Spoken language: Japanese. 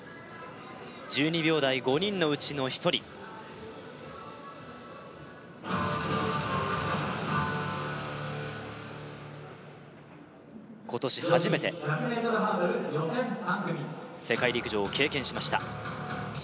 １２秒台５人のうちの１人今年初めて世界陸上を経験しました